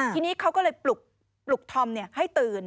ทีนี้เขาก็เลยปลุกธอมให้ตื่น